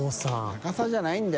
高さじゃないんだよ。